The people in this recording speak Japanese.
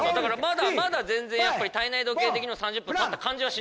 まだ全然体内時計的には３０分たった感じはしないですね。